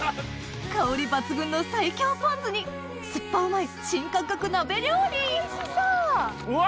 香り抜群の最強ポン酢に酸っぱうまい新感覚鍋料理うわ